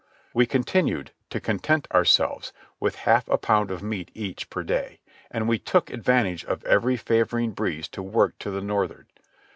We continued to content ourselves with half a pound of meat each per day, and we took advantage of every favouring breeze to work to the north'ard.